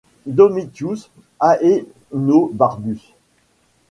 Domitius Ahénobarbus.